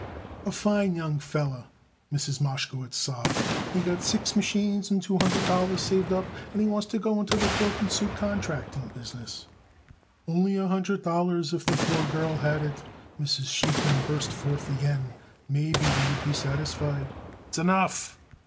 "A fine young feller," Mrs. Mashkowitz sobbed. "He got six machines and two hundred dollars saved up and wants to go into the cloak and suit contracting business." "Only a hundred dollars if the poor girl had it," Mrs. Sheikman burst forth again; "maybe he would be satisfied." "S'enough!"